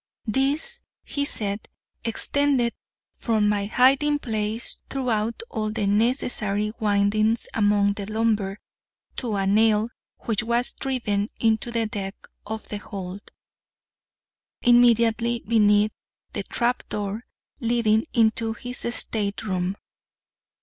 This, he said, extended from my hiding place throughout all the necessary windings among the lumber, to a nail which was driven into the deck of the hold, immediately beneath the trap door leading into his stateroom.